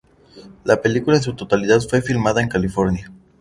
La película en su totalidad fue filmada en California.